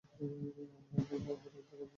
আমরাই করে নিতে পারব।